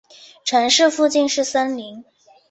城市附近是森林。